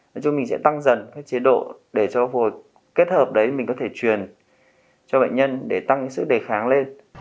nói chung mình sẽ tăng dần các chế độ để cho kết hợp đấy mình có thể truyền cho bệnh nhân để tăng sức đề kháng lên